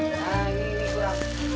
nah ini gua